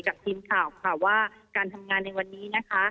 ทีมข่าวค่ะว่าการทำงานในวันนี้นะคะ